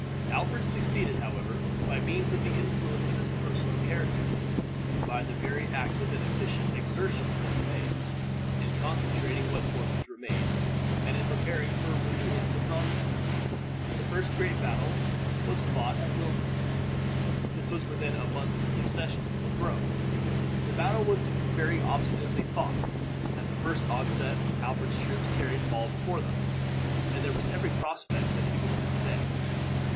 Alfred succeeded, however, by means of the influence of his personal character, and by the very active and efficient exertions that he made, in concentrating what forces remained, and in preparing for a renewal of the contest. The first great battle that was fought was at Wilton. This was within a month of his accession to the throne. The battle was very obstinately fought; at the first onset Alfred's troops carried all before them, and there was every prospect that he would win the day.